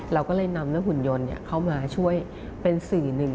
เราก็เลยนำเรื่องหุ่นยนต์เข้ามาช่วยเป็นสื่อหนึ่ง